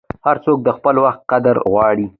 هر څوک د خپل وخت قدر غواړي.